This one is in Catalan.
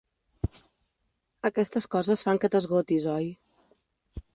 Aquestes coses fan que t'esgotis, oi?